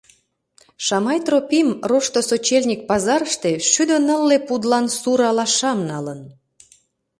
Шамай Тропим рошто сочельник пазарыште шӱдӧ нылле пудлан сур алашам налын.